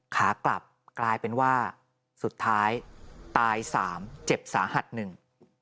ขากลับกลายเป็นว่าสุดท้ายตายสามเจ็บสาหัสหนึ่ง